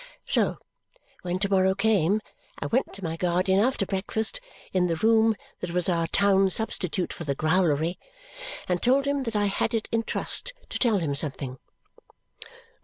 So, when to morrow came, I went to my guardian after breakfast, in the room that was our town substitute for the growlery, and told him that I had it in trust to tell him something.